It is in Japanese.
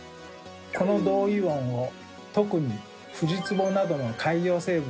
この銅イオンを特にフジツボなどの海洋生物が嫌い